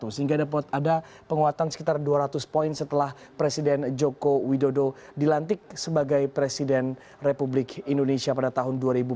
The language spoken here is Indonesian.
sehingga ada penguatan sekitar dua ratus poin setelah presiden joko widodo dilantik sebagai presiden republik indonesia pada tahun dua ribu empat belas